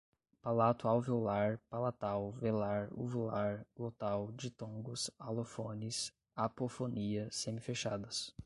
Palato-alveolar, palatal, velar, uvular, glotal, ditongos, alofones, apofonia, semifechadas